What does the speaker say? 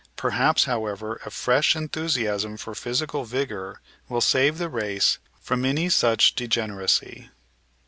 Per haps, however, a fresh enthusiasm for physical vigour will save the race from any such degeneracy.